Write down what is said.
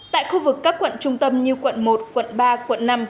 tại khu vực các quận trung tâm như quận một quận ba quận năm